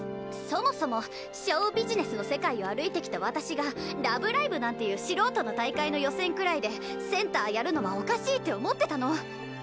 そもそもショウビジネスの世界を歩いてきた私が「ラブライブ！」なんていう素人の大会の予選くらいでセンターやるのはおかしいって思ってたの。